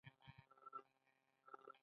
هغوی د خلکو حق نه منلو.